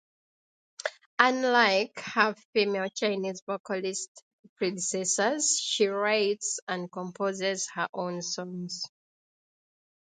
Unlike her female Chinese vocalist predecessors, she writes and composes her own songs.